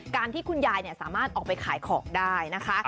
ที่คุณยายสามารถออกไปขายของได้นะคะ